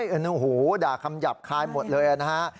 โอ้โหด่าคำหยาบคายหมดเลยนะฮะ